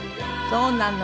そうなの。